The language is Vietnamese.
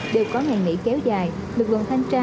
đều có ngày nghỉ kéo dài lực lượng thanh tra